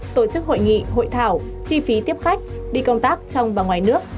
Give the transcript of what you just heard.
tổ chức hội nghị hội thảo chi phí tiếp khách đi công tác trong và ngoài nước